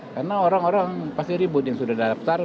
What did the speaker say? karena orang orang pasti ribut yang sudah daftar